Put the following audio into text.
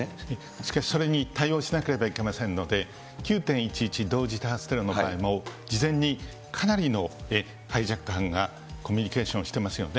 しかしそれに対応しなければいけませんので、９・１１同時多発テロの場合も、事前にかなりのハイジャック犯がコミュニケーションしてますよね。